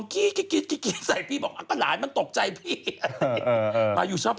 กระเทยเก่งกว่าเออแสดงความเป็นเจ้าข้าว